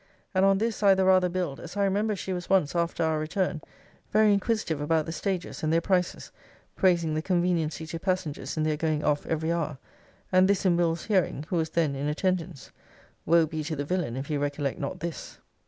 And on this I the rather build, as I remember she was once, after our return, very inquisitive about the stages, and their prices; praising the conveniency to passengers in their going off every hour; and this in Will.'s hearing, who was then in attendance. Woe be to the villain, if he recollect not this!